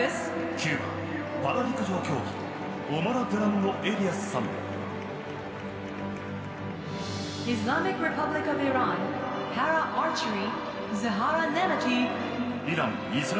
キューバ、パラ陸上競技オマーラ・ドゥランドエリアスさん。